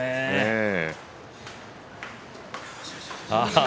ええ。